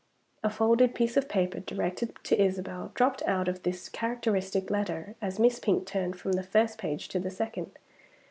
A folded piece of paper, directed to Isabel, dropped out of this characteristic letter as Miss Pink turned from the first page to the second.